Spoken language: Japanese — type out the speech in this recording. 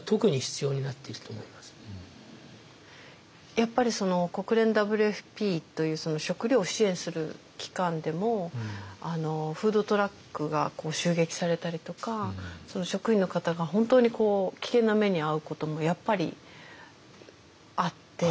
やっぱり国連ＷＦＰという食糧を支援する機関でもフードトラックが襲撃されたりとか職員の方が本当に危険な目に遭うこともやっぱりあって。